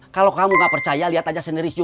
kalo kamu gak percaya liat aja sendiri